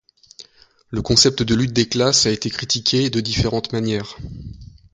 Le concept de lutte des classes a été critiqué de différentes manières.